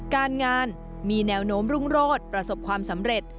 การงานมีแนวโน้มรุ่งโรศประสบความสำเร็จ